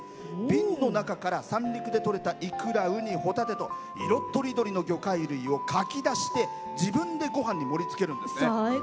瓶の中から三陸でとれたいくら、うに、ほたてと色とりどりの魚介をかき出して、自分でごはんに盛りつけるんですね。